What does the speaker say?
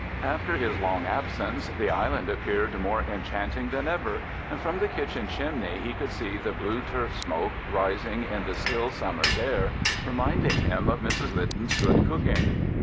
After his long absence the island appeared more enchanting than ever, and from the kitchen chimney he could see the blue turf smoke rising in the still summer's air, reminding him of Mrs Lyden's good cooking.